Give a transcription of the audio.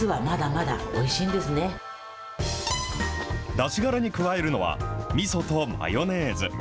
だしがらに加えるのは、みそとマヨネーズ。